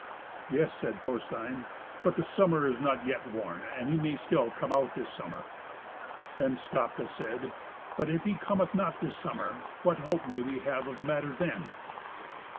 "Yes," said Thorstein; "but the summer is not yet worn, and he may still come out this summer." Then Skapti said, "But if he cometh not this summer, what hope may we have of the matter then?"